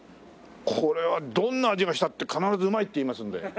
これはどんな味がしたって必ずうまいって言いますんで。